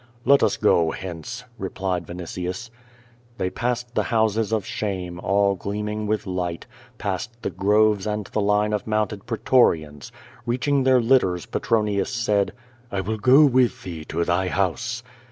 Tjct us go hence," replied Vinitius. They jiasscd the houses of shame, all gleaming with light, passed the groves and the line of mounted pretorians. Keaehing their litters, Petronius said: "1 will go with thee to thy house."